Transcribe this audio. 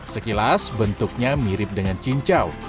sekilas bentuknya mirip dengan cincau